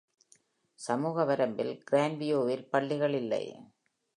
சமூக வரம்பில் Grandview வில் பள்ளிகள் இல்லை.